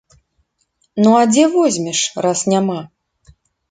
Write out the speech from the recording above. Ну, а дзе возьмеш, раз няма.